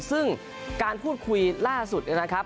ซึ่งการพูดคุยล่าสุดเนี่ยนะครับ